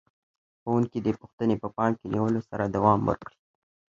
ښوونکي دې پوښتنې په پام کې نیولو سره دوام ورکړي.